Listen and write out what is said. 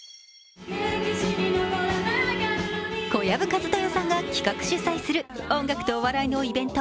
小籔千豊さんが企画・主催する音楽とお笑いのイベント